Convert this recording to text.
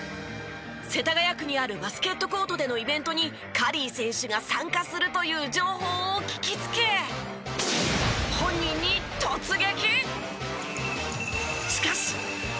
世田谷区にあるバスケットコートでのイベントにカリー選手が参加するという情報を聞きつけ本人に突撃！